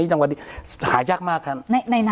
หายากมากท่าน